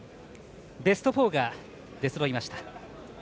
ベスト４が出そろいました。